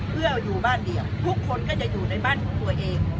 เพื่ออยู่บ้านเดียวทุกคนก็จะอยู่ในบ้านของตัวเอง